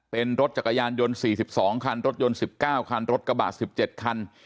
เป็นรถจักรยานยนต์๔๒คันรถยนต์๑๙คันรถกระบะ๑๗คัน